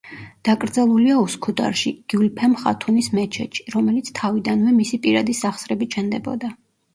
დაკრძალულია უსქუდარში, გიულფემ ხათუნის მეჩეთში, რომელიც თავიდანვე მისი პირადი სახსრებით შენდებოდა.